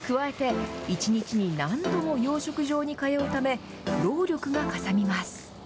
加えて、１日に何度も養殖場に通うため、労力がかさみます。